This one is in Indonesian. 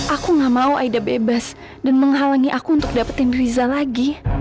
aku gak mau aida bebas dan menghalangi aku untuk dapetin riza lagi